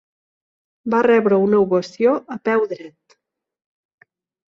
Va rebre una ovació a peu dret.